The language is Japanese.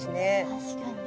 確かに。